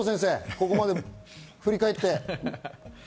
ここまで振り返って。